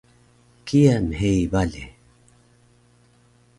kiya mhei bale